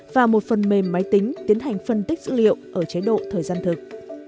và một phần mềm máy tính tiến hành phân tích dữ liệu ở chế độ thời gian thực